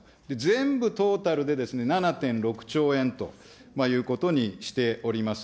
全部トータルで７．６兆円ということにしております。